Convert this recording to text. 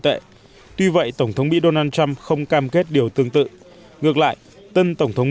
tệ tuy vậy tổng thống mỹ donald trump không cam kết điều tương tự ngược lại tân tổng thống